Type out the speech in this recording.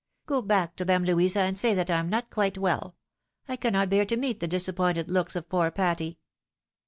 " Go back to them, Louisa, and say that I am not quite well. I cannot bear to meet the disappointed looks of poor Patty."